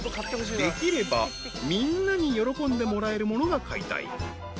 ［できればみんなに喜んでもらえるものが買いたい］